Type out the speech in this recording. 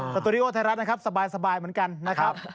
ตูดิโอไทยรัฐนะครับสบายเหมือนกันนะครับ